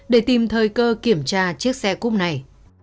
để tìm thời cơ kiểm tra chiếc xe cúc này